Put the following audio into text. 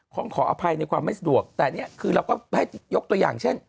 ขออภัยในความไม่สะดวกแต่นี่คือเราก็ให้ยกตัวอย่างเช่น